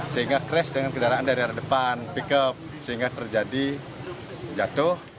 sehingga crash dengan kendaraan dari arah depan pickup sehingga terjadi jatuh